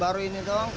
baru ini doang kak